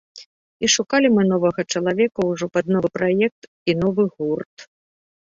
І шукалі мы новага чалавека ўжо пад новы праект і новы гурт.